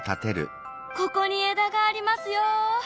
ここに枝がありますよ。